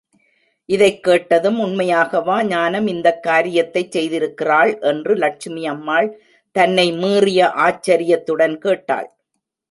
இதைக் கேட்டதும், உண்மையாகவா ஞானம் இந்தக் காரியத்தைச் செய்திருக்கிறாள்? என்று லட்சுமி அம்மாள் தன்னை மீறிய ஆச்சரியத்துடன் கேட்டாள்.